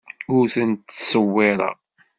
Ur tent-ttṣewwireɣ.